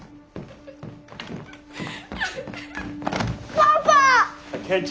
パパ！